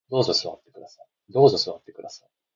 どうぞ座ってください